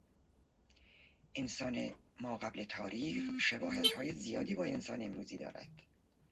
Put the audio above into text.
انسان ماقبل تاریخ شباهتهای زیادی با انسان امروزی دارد.